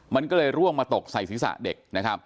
มันก็เลยร่วงมาตกใส่ศษะเด็ก